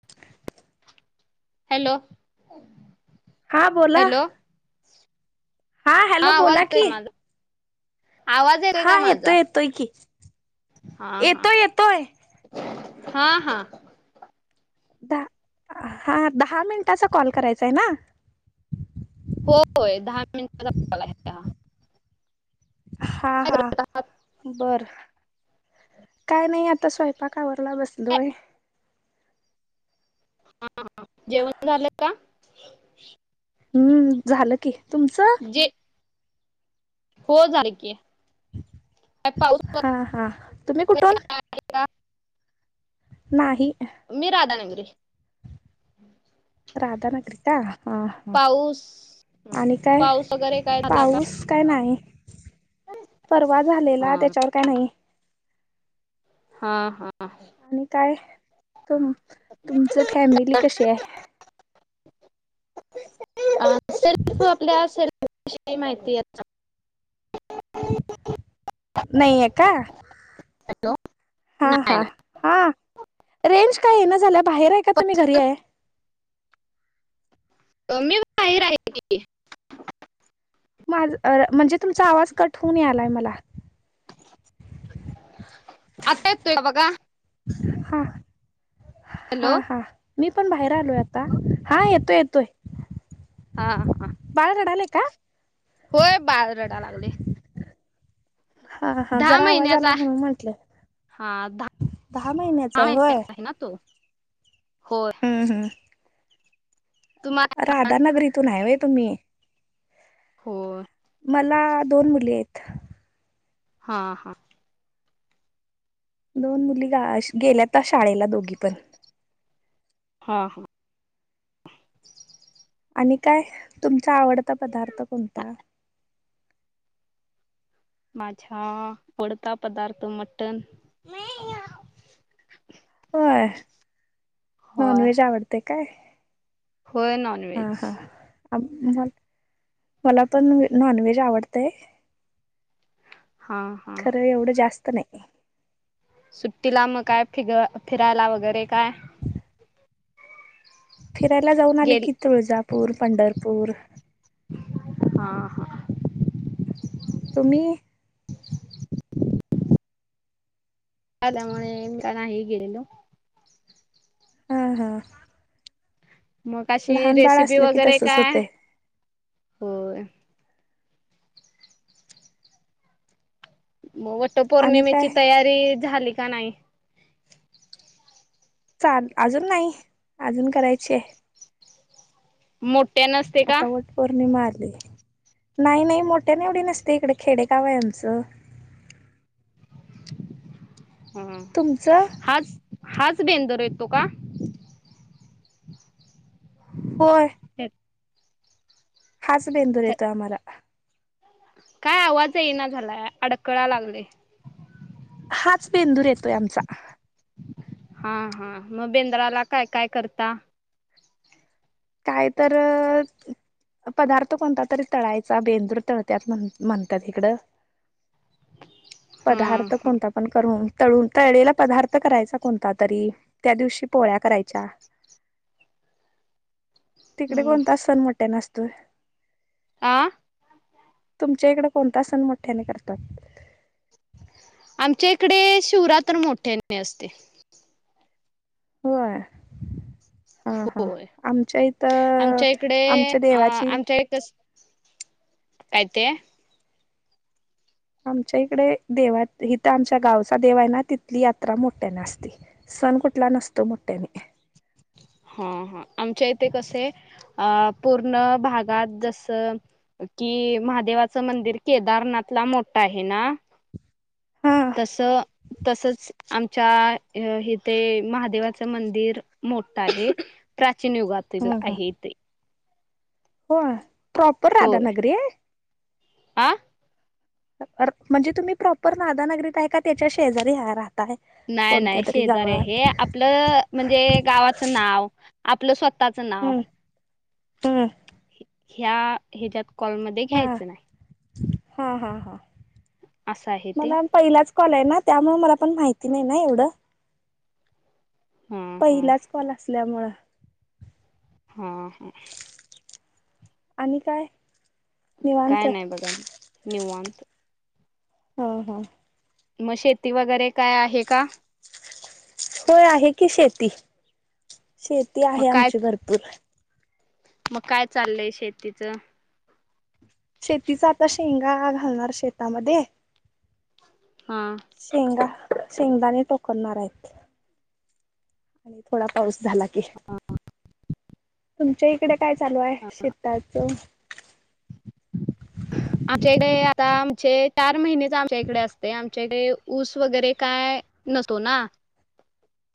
[inaudible] Hello हां बोला. हा हॅलो हां बोला वाजतोय की आवाज येतोय काय माझा? आवाज येतोय काय हा माझा? येतोय की हां हां. येतोय येतोय हां हां. दहा हा दहा मिनिटाचा कॉल करायचाय ना? होय होय, दहा मिनिटाच कॉल हाय. दहा हा हा करत आहात बरं. काय नाही, आता स्वयपाक आवरला काय बसलोय. हा हा. जेवण झालं का? हूम्म झालं की, तुमचं? जे हो झाल की. काय पाऊस हा हा, तुम्ही कुठून? [unintelligible] नाही. मी राधानगरी. राधनगरी का? हा हा. पाऊस हं, आणि काय, पाऊस वगैरे काय झाला का पाऊस काय नाही. परवा हा झालेला त्याच्यावर काय नाही. हा हा. आणि काय, तुम तुमची फॅमिली कशी हाय? [inaudible] तू [unintelligible] आपल्या विषयी माहिती याच्या [inaudible] नाहीये का? हॅलो हा नाही हा. नाही हा रेंज काय इना झाल्या, बाहेर हाय का तुम्ही घरी हाय? मी बाहेर हाय की. माझ अ म्हणजे तुमचा आवाज कट होऊन यालाय मला. आता येतोय का बघा? हा हा हॅलो हा. मी पण बाहेर आलोय आता, हा येतोय येतोय. हा हा. बाळ रडालय का? होय बाळ रडाय लागलय. हा हा दहा जरा आवाज आला महिन्याचा म्हणून म्हटलं. हा आता आहे [unintelligible] तो होय. हुं. हुं. तुम्हाला राधानगरितून हाय होय तुम्ही. होय मला दोन मुली आहेत. हा हा. दोन मुली, गेल्याता शाळेला दोघी पण. हा. आणि काय, तुमचा आवडता पदार्थ कोणता? माझ्या आवडता पदार्थ मटण. होय, नॉन होय व्हेज आवडतय काय? होय नॉन हा व्हेज. हा मला पण नॉनव्हेज आवडतय. हा हा खरं एवढं जास्त नाही. सुट्टीला मग काय, फि फिरायला वगैरे काय? फिरायला जाऊन आले गेली की, तुळजापूर, पंढरपूर हा हा. तुम्ही? आल्यामुळे का नाही गेलेलो. हा हा. मग अशी लहान बाळ रेसिपी असलं की वगैरे तसच काय? होते होय मग वट आणि पौर्णिमेची काय तयारी झाली का नाही? चालू अजून नाही, अजून करायची हाय. मोठ्यान असतय का? आता वट पौर्णिमा आली, नाही नाही मोठ्या न एवडी नसतय इकडे, खेडेगाव आहे आमचं. हा, तुमचं हाच हाच बेंदुर येतो का? होय. तेत हाच बेंदूर येतो आम्हाला. काय आवाज येई ना झालाय, अडकळाय लागलय. हाच बेंदूर येतोय आमचा. हा हा, मग बेंद्राला काय काय करता? काय तर अ पदार्थ कोणता तरी तळायचा, बेंदूर तळत्यात म्हण म्हणत्यात इकडं. हा पदार्थ हा कोणता? ण करून तळून तळलेला पदार्थ करायचा कोणता तरी, त्या दिवशी पोळ्या करायच्या. तिकडे हम्म कोणता सण मोठ्या असतोय? आ. तुमच्या इकडे कोणता सण मोठ्याने करतात? आमच्या इकडे शिवरात्र मोठ्यान बी असते. होय. हा हा, होय आमच्या इथ, आमच्या देवाची हाय तस. काय ते? आमच्या इकडे देवा हिथ आमच्या गावचा देव आहे ना, तिथली यात्रा मोठ्याने असते. सण कुठला नसतो, मोठ्याने. हा हा, आमच्या इथे कसे? अ पूर्ण भागात जसं कि महादेवाचं मंदिर, केदारनाथ ला मोठं आहे ना. हा तसं तसच आमच्या इथे महादेवाचं मंदिर मोठा आहे. प्राचीन युगातील आहे इथे. होय प्रॉपर राधानगरी ये. आं. अ म्हणजे तुम्ही प्रॉपर नादानगरीत हाय का? त्याच्या शेजारी हाय राह ताय नाही कोणत्या नाही तरी शेजारी हे गावात आपलं म्हणजे गावाच नाव, आपलं स्व त्याच नाव, हम्म हम्म ह्या हेच्यात कॉलमध्ये हा घ्यायचं नाही. हा हा हा. आसं हाय ते. मला पहिलाच कॉल आहे ना, त्यामुळे मला पण माहिती नाही ना एवढं. हां हां पहिलाच कॉल असल्यामुळ हा हा. आणि काय? निवांत काय नाही बघा निवांत. हो हो. मग शेती वगैरे काय आहे का? होय आहे की शेती, शेती मग आहे काय आमची भरपूर. मग काय चाललय शेतीचं? शेतीच आता, शेंगा घालणार शेतामध्ये. हां. शेंगा शेंगदाणे टोकणनार आहेत. आणि थोडा पाऊस झाला कि, तुमच्या इकडे काय चालू हाय शे काय ते? [inaudible] आमच्याकडे आता आमचे चार महिनेच आमच्या इकडे असते, आमच्या इकडे ऊस वगैरे काय नसतो ना,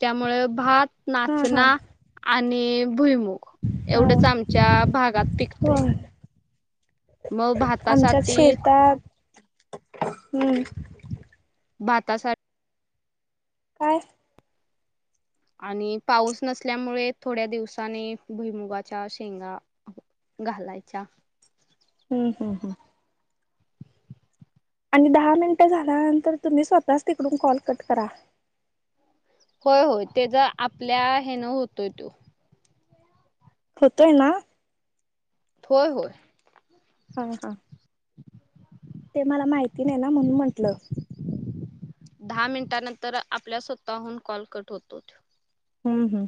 त्यामुळे भात हा हा नाचना आणि भुईमुग हा एवढंच आमच्या भागात हो पिकतंय. आमच्यात भातासाठी शेतात [inaudible] भाता साठी काय? आणि पाऊस नसल्यामुळे थोड्या दिवसानी भुईमुगाच्या शेंगा घालायच्या. हुं. हुं. आणि दहा मिनटं झाल्यानंतर, तुम्ही स्वतःच तिकडून कॉल कट करा. होय होय, तेज आपल्या हे न होतोय तो. होतोय ना? होय होय. हा का? ते मला माहिती नाही ना, म्हणून म्हटलं. दहा मिनिटानंतर आपल्या स्वतःहून कॉल कट होतो. हू हू,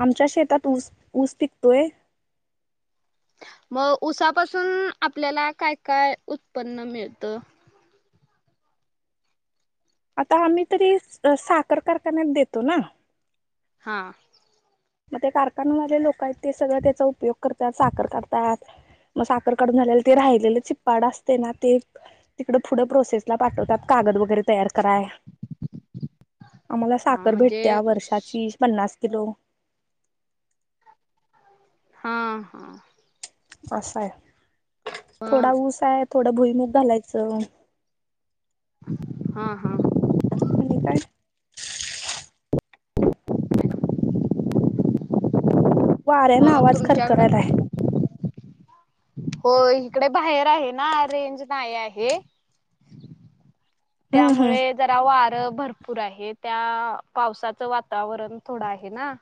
आमच्या शेतात ऊस ऊस पिकतोय. मग उसापासून आपल्याला काय काय उत्पन्न मिळतं? आता आम्ही तरी साखर कारखान्यात देतो ना. हा. मग ते कारखानवाले लोक आहेत, ते सगळं त्याचा उपयोग करतात, साखर करतात. मग साखर काढून झाले ते राहिलेलं चिप्पाड असतय ना, ते तिकड पुढं प्रोसेस ला पाठवतात कागद वगैरे तयार कराय. आम्हाला हा साखर म्हणजे भेटतीया ऊस वर्षाची पन्नास किलो. हां हां. आस हाय. थोडा मग ऊस हाय, थोडं भुईमुूग घालायचं. हा हा. आणि काय? वाऱ्या न मग आवाज तुमच्याकडं खरखरालाय. [inaudible] हो इकडे बाहेर आहे ना, रेंज नाही आहे. हम्म हम्म त्यामुळे जरा वारं भरपूर आहे, त्या पावसाचं वातावरण थोडं आहे ना.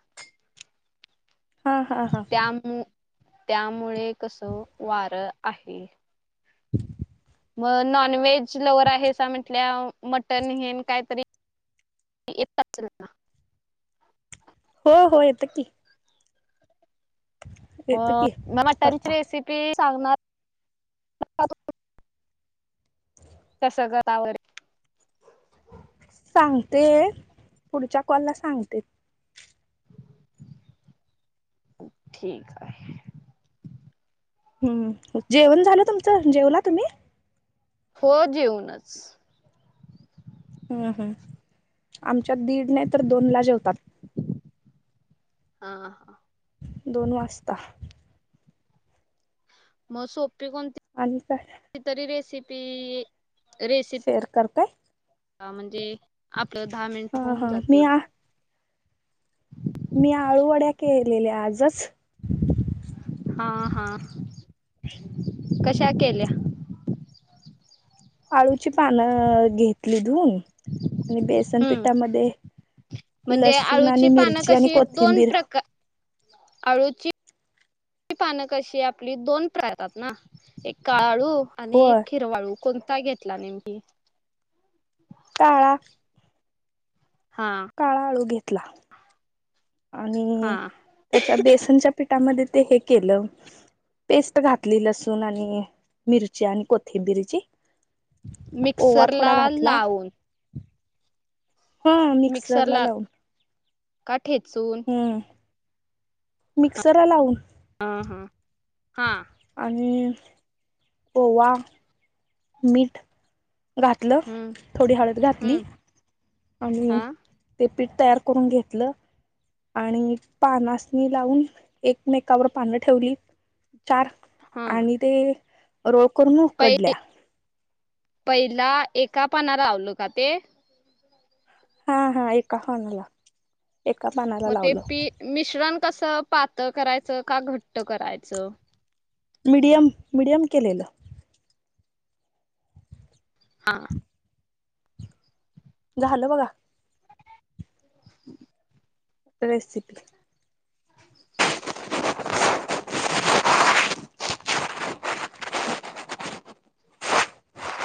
हा हा हा त्यामु त्यामुळे कस वार आहे. ह [unintelligible] मग नॉन व्हेज लवर आहे अस म्हटल्यावर, मटन हेन कायतरी येत [unintelligible] का? हो हो येतं की. [inaudible] की म मटनची करता रेसिपी सांगणार कस कराव? सांगते पुढच्या कॉलला सांगते. हा ठीक हाय. हूम जेवण झालं तुमचं? जेवला तुम्ही? हो जेऊनच. हा हा, आमच्यात दीड नाही तर, दोनला जेवतात. हा हा. दोन वाजता. मग सोपी कोणती? आणि तस कीतीतरी रेसिपी, रेसिपी शेअर करताय हा म्हणजे आपलं दहा मिनिट हा होऊन हा मी जातील. आ मी आळूवड्या केलेल्या आजच. हा हा. कशा केल्या? आळूची पानं घेतली धुूऊन आणि बेसन हम्म पिठामध्ये म्हणजे लसूण आळूची आणि पान मिरची आणि कशी, दोन कोथिंबीर प्रकार आळूची पान वीकशी आपली दोन प्रय येतात ना, एक काळ आळू आणि होय एक हिरव आळू कोण काय घेतला नेमकी? काळा. हा. काळा आळू घेतला आणि हा त्याच्या बेसनच्या पिठामध्ये ते हे केलं पेस्ट घातली, लसूण आणि मिरची आणि कोथिंबीरची. ओवा थोडा मिक्सरला घातला. लावून हा मिक्सरला लावून का ठेचून हम. मिक्सरला लावून. ह हां हा. आणि पोवा मीठ घातलं हम्म थोडी हळद घातली. हम्म आणि् हा ते पीठ तयार करून घेतलं. आणि पानास लावून एकमेकावर पानं ठेवली चार हा आणि ते रोळ करून पै उकडल्या. पहिला एका पाणालावलो का ते हा हा एकणाला एका पाना मग ते पी मिश्रण कसं पातळ करायचं का घट्ट करायचं. मीडियम मीडियम केलेलं. हा. द झाल बघा. हम्. रेसिपी ह.